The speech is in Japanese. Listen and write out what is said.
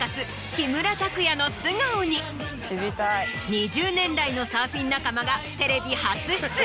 ２０年来のサーフィン仲間がテレビ初出演。